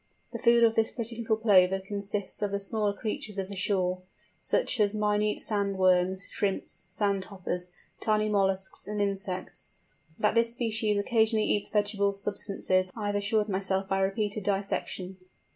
The food of this pretty little Plover consists of the smaller creatures of the shore, such as minute sand worms, shrimps, sand hoppers, tiny molluscs, and insects. That this species occasionally eats vegetable substances I have assured myself by repeated dissection.